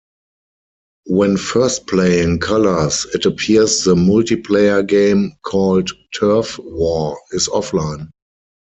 When first playing "Colors", it appears the multiplayer game, called "TurfWar", is offline.